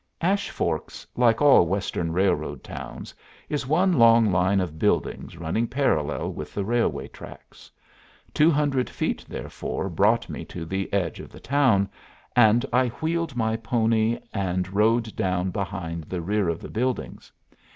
Ash Forks, like all Western railroad towns, is one long line of buildings running parallel with the railway tracks. Two hundred feet, therefore, brought me to the edge of the town, and I wheeled my pony and rode down behind the rear of the buildings.